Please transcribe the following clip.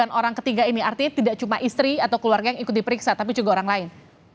dan orang ketiga ini artinya tidak cuma istri atau keluarga yang ikut diperiksa tapi juga orang lain